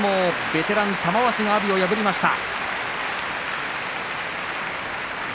ベテラン玉鷲が阿炎を破りました。